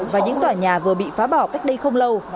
và những tòa nhà vừa bị phá bỏ cách đây không lâu